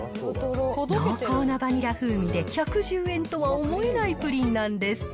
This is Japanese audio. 濃厚なバニラ風味で１１０円とは思えないプリンなんです。